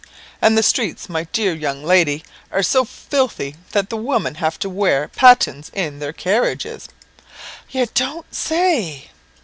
And the streets, my dear young lady, are so filthy that the women have to wear pattens in their carriages." "You don't say?"